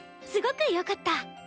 すごくよかった。